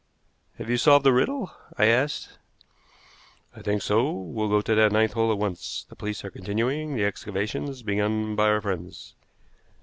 "Have you solved the riddle?" I asked. "I think so. We'll go to that ninth hole at once. The police are continuing the excavations begun by our friends.